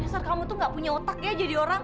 besar kamu tuh gak punya otak ya jadi orang